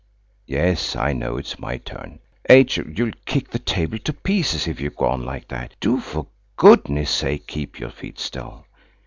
Yes, I know it's my turn–H.O., you'll kick the table to pieces if you go on like that. Do, for goodness' sake, keep your feet still.